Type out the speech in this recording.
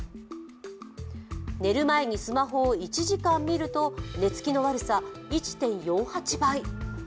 寝る前にスマホを１時間見ると寝付きの悪さ１．４８倍。